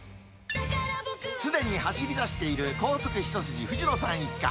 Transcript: すでに走り出している高速一筋藤野さん一家。